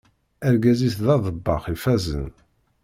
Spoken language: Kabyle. Argaz-is d aḍebbax ifazen.